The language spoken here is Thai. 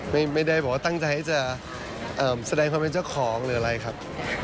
ไม่ได้บอกว่าตั้งใจจะแสดงความเป็นเจ้าของหรืออะไรครับ